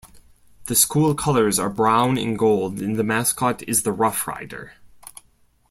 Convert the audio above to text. The school colors are brown and gold and the mascot is the Roughrider.